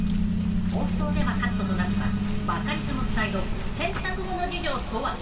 ［放送ではカットとなったバカリズム夫妻の洗濯物事情とは？］